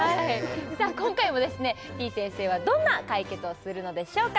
今回もてぃ先生はどんな解決をするのでしょうか